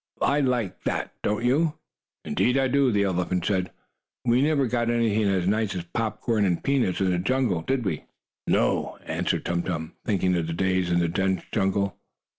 "I like that, don't you?" "Indeed I do," the elephant said. "We never got anything as nice as popcorn and peanuts in the jungle, did we?" "No," answered Tum Tum, thinking of the days in the dense jungle.